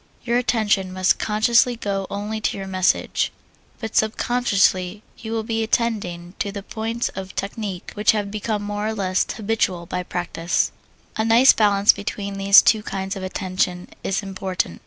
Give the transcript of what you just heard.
Your attention must consciously go only to your message, but subconsciously you will be attending to the points of technique which have become more or less habitual by practise. A nice balance between these two kinds of attention is important.